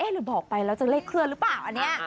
หรือบอกไปแล้วจะเลขเคลื่อนหรือเปล่าอันนี้